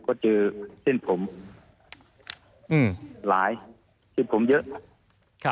ก็เจอเส้นผมหลายเส้นผมเยอะ